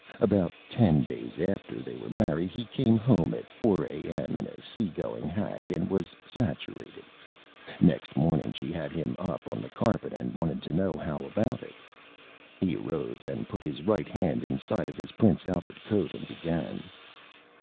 About Ten Days after they were Married he came Home at 4 A.M. in a Sea Going Hack and he was Saturated. Next Morning she had him up on the Carpet and wanted to know How About It. [Illustration: THE BANTAM] He arose and put his Right Hand inside of his Prince Albert Coat and began.